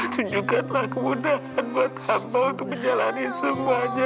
tunjukkanlah kemudahan buat hamba untuk menjalani semuanya